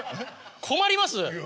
困ります